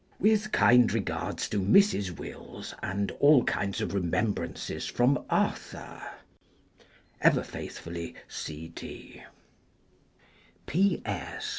With kind regard to Mrs. Wills, and all kinds of remembrances from Arthur, Ever faithfully, C. D. P.S.